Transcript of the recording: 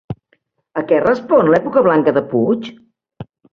A què respon l'època blanca de Puig?